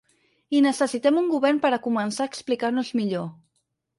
I necessitem un govern per a començar a explicar-nos millor.